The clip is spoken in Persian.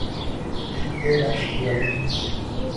ایل بختیاری